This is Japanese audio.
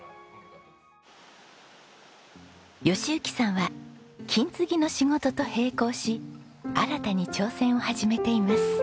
喜行さんは金継ぎの仕事と並行し新たに挑戦を始めています。